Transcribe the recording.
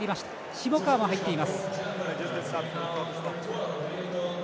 下川も入っています。